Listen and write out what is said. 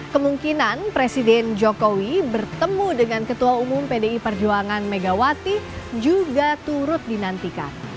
kemungkinan presiden jokowi bertemu dengan ketua umum pdi perjuangan megawati juga turut dinantikan